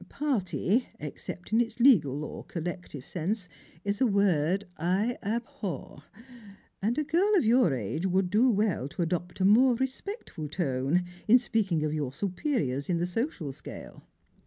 Party, except in its legal or collective sense, is a word I abhor ; and a girl of your age would do well to adopt a more respectful tone in speaking of your superiors in the social Kcale."